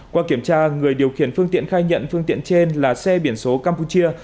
qua kiểm tra người điều khiển phương tiện khai nhận phương tiện trên là xe biển số campuchia